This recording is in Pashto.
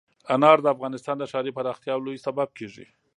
انار د افغانستان د ښاري پراختیا یو لوی سبب کېږي.